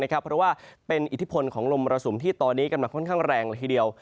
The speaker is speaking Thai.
เพราะว่าเป็นอิทธิพลของลมมรสุมที่ตอนนี้กำลังค่อนข้างแรงละทีเดียว